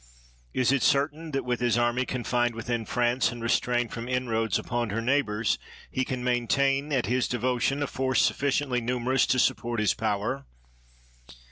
Is it certain that, with his army confined within France and re strained from inroads upon her neighbors, he can maintain at his devotion a force sufficiently numerous to support his power?